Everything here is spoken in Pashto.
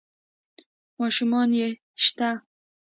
ـ ماشومان يې شته؟